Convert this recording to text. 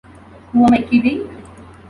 Who am I kidding?